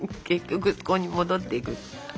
結局そこに戻っていく。